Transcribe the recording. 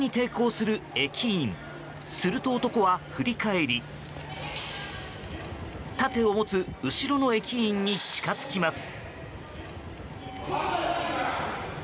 すると、男は振り返り盾を持つ後ろの駅員に近づきます。